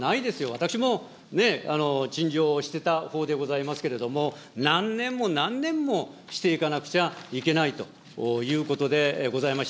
私もね、陳情してたほうでございますけれども、何年も何年もしていかなくちゃいけないということでございます。